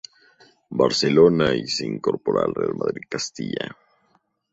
Barcelona y se incorpora al Real Madrid Castilla.